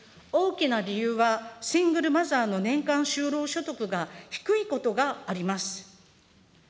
大きな理由は、シングルマザーの年間就労所得が低いことがあります。